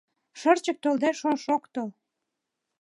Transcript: Шырчык толде шошо ок тол.